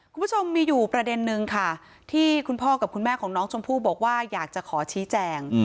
คุณผู้ชมมีอยู่ประเด็นนึงค่ะที่คุณพ่อกับคุณแม่ของน้องชมพู่บอกว่าอยากจะขอชี้แจง